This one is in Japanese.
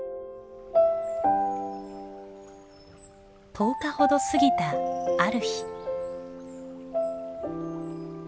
１０日ほど過ぎたある日。